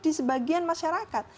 di sebagian masyarakat